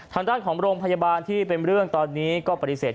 ทางด้านของโรงพยาบาลที่เป็นเรื่องตอนนี้ก็ปฏิเสธ